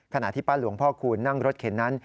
ขณะที่ป้าหลวงพ่อคูณนั่งรถเข็นนั้น